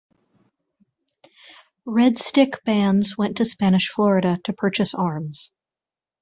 Red Stick bands went to Spanish Florida to purchase arms.